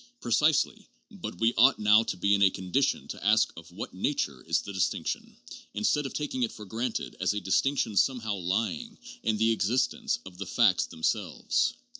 Precisely ; but we ought now to be in a condition to ask of what nature is the distinction, instead of taking it for granted as a dis tinction somehow lying in the existence of the facts themselves.